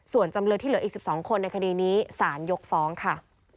ส่วนจำเลยที่เหลืออีก๑๒คนในคดีนี้สารยกฟ้องค่ะ